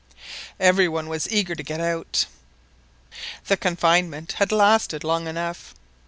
Every one was eager to get out, tine confinement had lasted long enough.